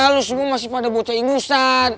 kalau semua masih pada bocah ingusan